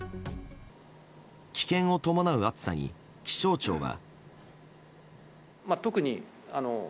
危険を伴う暑さに、気象庁は。